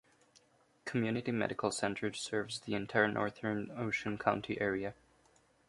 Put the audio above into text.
Community Medical Center serves the entire northern Ocean County area.